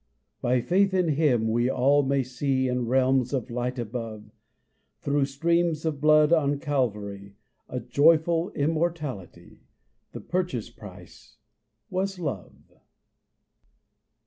By faith in him, we all may see In realms of light above, Through streams of blood on Calvary, A joyful immortality; The purchase price was love.